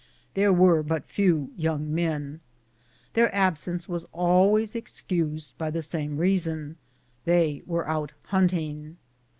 There were but few young men. Their absence was always excused by the same reason — they were out hunt ing.